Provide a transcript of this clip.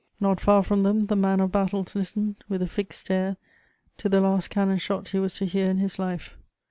Not far from them, the man of battles listened, with a fixed stare, to the last cannon shot he was to hear in his life.